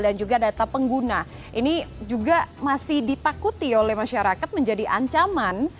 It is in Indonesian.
dan juga data pengguna ini juga masih ditakuti oleh masyarakat menjadi ancaman